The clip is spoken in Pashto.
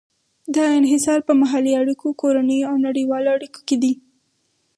دا انحصار په محلي اړیکو، کورنیو او نړیوالو اړیکو کې دی.